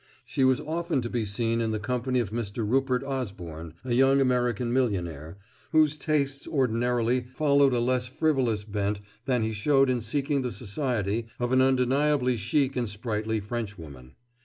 She was now often to be seen in the company of Mr. Rupert Osborne, a young American millionaire, whose tastes ordinarily followed a less frivolous bent than he showed in seeking the society of an undeniably chic and sprightly Frenchwoman.